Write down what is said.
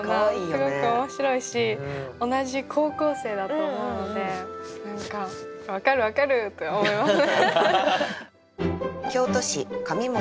すごく面白いし同じ高校生だと思うので何か「分かる分かる」って思います。